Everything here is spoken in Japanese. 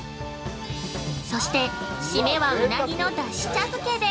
◆そして、締めはウナギのだし茶漬けで！